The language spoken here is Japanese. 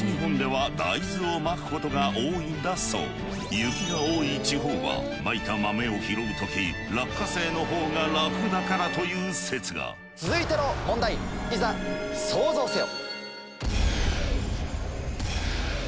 雪が多い地方はまいた豆を拾う時落花生のほうが楽だからという説が続いての問題いざソウゾウせよ。